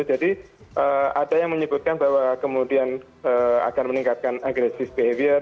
jadi ada yang menyebutkan bahwa kemudian akan meningkatkan agresif behavior